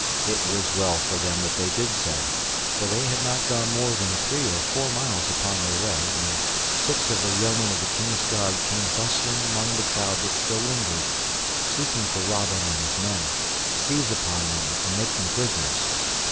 It was well for them that they did so, for they had not gone more than three or four miles upon their way when six of the yeomen of the King's guard came bustling among the crowd that still lingered, seeking for Robin and his men, to seize upon them and make them prisoners.